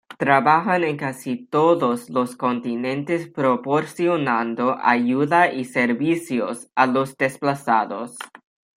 Trabajan en casi todos los continentes proporcionando ayuda y servicios a los desplazados.